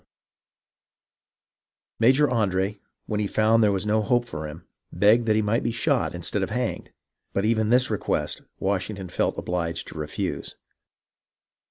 ARNOLD AND ANDRfi 297 Major Andre, when he found there was no hope for him, begged that he might be shot instead of being hanged, but even this request Washington felt obliged to refuse.